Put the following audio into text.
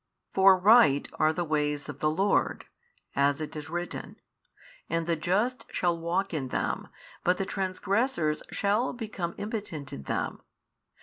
For right are the ways of the Lord, as it is written, and the just shall walk in them, but the transgressors shall become impotent in them.